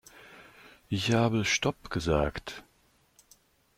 Ich habe stopp gesagt.